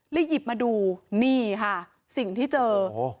แล้วหยิบมาดูนี่ค่ะสิ่งที่เจอโอ้โห